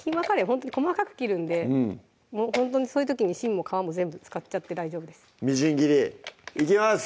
ほんとに細かく切るんでほんとにそういう時に芯も皮も全部使っちゃって大丈夫ですみじん切りいきます！